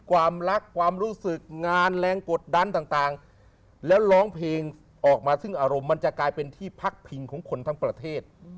ความรักความรู้สึกงานแรงกดดันต่างแล้วร้องเพลงออกมาซึ่งอารมณ์มันจะกลายเป็นที่พักพิงของคนทั้งประเทศ